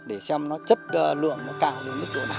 để xem nó chất lượng nó cao đến mức độ này